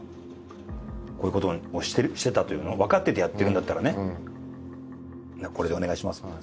こういうことをしてたというのを分かっててやってるんだったらこれでお願いします。